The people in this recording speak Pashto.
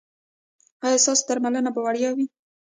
ایا ستاسو درملنه به وړیا وي؟